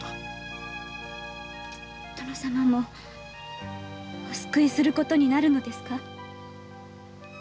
殿様もお救いすることになるのですか？